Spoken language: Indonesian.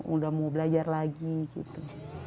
udah mau belajar lagi gitu